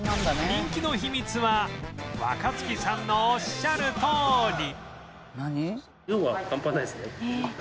人気の秘密は若槻さんのおっしゃるとおり